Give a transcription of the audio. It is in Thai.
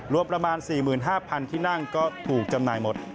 รวมประมาณ๔๕๐๐ที่นั่งก็ถูกจำหน่ายหมด